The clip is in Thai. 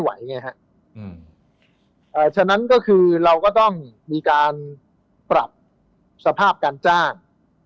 เอ่อฉะนั้นก็คือเราก็ต้องมีการปรับสภาพการจ้าง